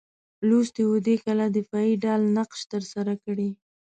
لوستي وو دې کلا دفاعي ډال نقش ترسره کړی.